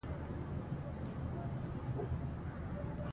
افغانستان کې ولایتونه د خلکو خوښې وړ ځای دی.